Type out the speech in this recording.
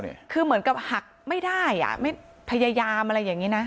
คือเหมือนกับหักไม่ได้อ่ะไม่พยายามอะไรอย่างนี้นะ